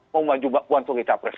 mau maju mbak puan atau cawal pres